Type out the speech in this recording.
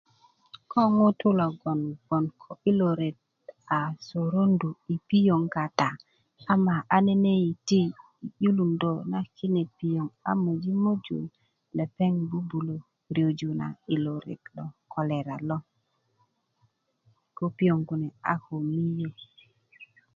ko ŋutu' loŋ gboŋ ko yilo ret a sorondu yi piyoŋ kata ama a nene' yiti 'yilunda na kine piyoŋ a möji' möju lepeŋ bubulö puundö na yilo ret lo kolera lo ko piyoŋ kune 'ba miyö